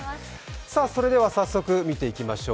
それでは、早速見ていきましょう。